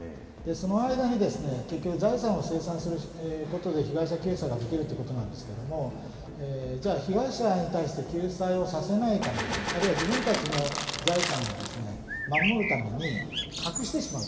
その間に財産を清算することで被害者救済ができるということなんですけれども、被害者に対して救済をさせないために、あるいは自分たちの財産を守るために隠してしまう。